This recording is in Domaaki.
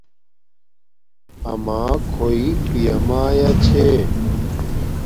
آما کھوݵݵ پیا مایا چھے